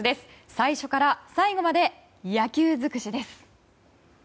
最初から最後まで野球尽くしです。